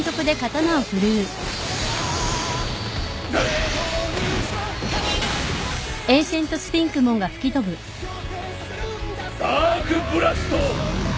ダークブラスト！